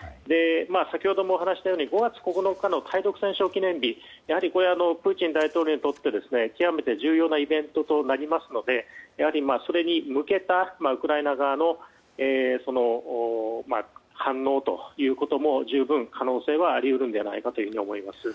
先ほども話したように５月９日の対独戦勝記念日やはり、プーチン大統領にとって極めて重要なイベントとなりますのでやはりそれに向けたウクライナ側の反応ということも十分、可能性はあり得るのではと思います。